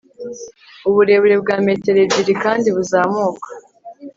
uburebure bwa metero ebyiri kandi buzamuka